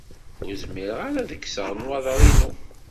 Ur zmireɣ ara ad kkseɣ nnwaḍer-inu.